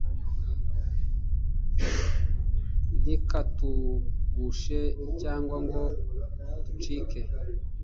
ntikatugushe cyangwa ngo ducike